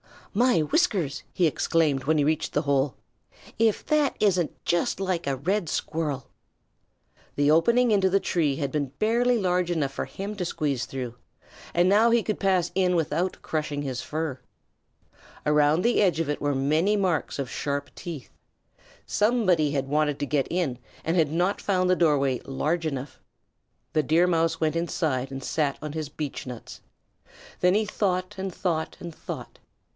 "My whiskers!" he exclaimed, when he reached the hole. "If that isn't just like a Red Squirrel!" The opening into the tree had been barely large enough for him to squeeze through, and now he could pass in without crushing his fur. Around the edge of it were many marks of sharp teeth. Somebody had wanted to get in and had not found the doorway large enough. The Deer Mouse went inside and sat on his beechnuts. Then he thought and thought and thought.